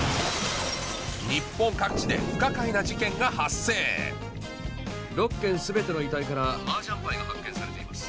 日本各地で不可解な事件が発生６件全ての遺体からマージャンパイが発見されています。